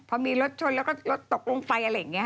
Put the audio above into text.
พอมีรถชนแล้วก็รถตกลงไปอะไรอย่างนี้